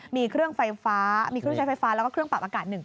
มีเครื่องใช้ไฟฟ้าแล้วก็เครื่องปรับอากาศ๑เครื่อง